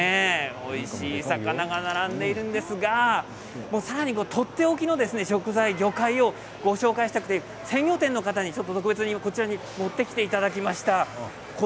おいしい魚が並んでいますがとっておきの食材魚介をご紹介したくて鮮魚店の方に特別に、こちらに持ってきていただきました。